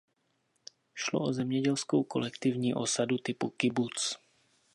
Šlo o zemědělskou kolektivní osadu typu kibuc.